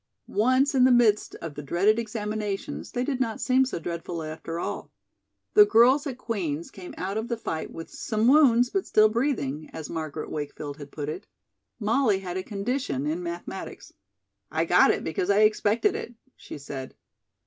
Once in the midst of the dreaded examinations they did not seem so dreadful after all. The girls at Queen's came out of the fight with "some wounds, but still breathing," as Margaret Wakefield had put it. Molly had a condition in mathematics. "I got it because I expected it," she said.